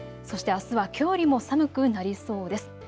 そしてあすは、きょうよりも寒くなりそうです。